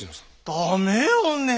駄目よねえ